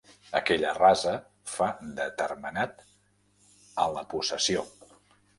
Aquella rasa fa de termenat a la possessió.